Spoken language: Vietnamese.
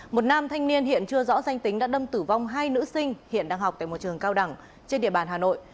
một nam thanh niên hiện chưa rõ danh tính đã đâm tử vong hai nữ sinh hiện đang học tại một trường cao đẳng trên địa bàn hà nội